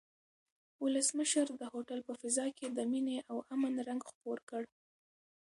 ولسمشر د هوټل په فضا کې د مینې او امن رنګ خپور کړ.